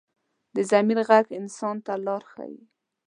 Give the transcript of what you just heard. د ضمیر غږ انسان ته لاره ښيي